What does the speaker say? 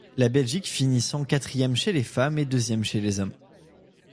La Belgique finissant quatrième chez les femmes et deuxième chez les hommes.